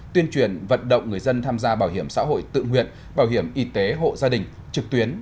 tuyên truyền vận động người dân tham gia bảo hiểm xã hội tự nguyện bảo hiểm y tế hộ gia đình trực tuyến